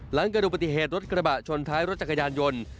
หลังเกิดดูปฏิเหตุรถกระบะชนท้ายรถจักรยานยนต์